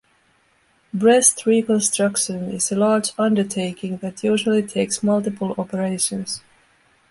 Breast reconstruction is a large undertaking that usually takes multiple operations.